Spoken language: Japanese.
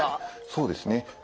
そうですね。